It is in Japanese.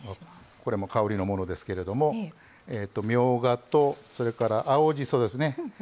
これも香りのものですけれどもみょうがと青じそですね。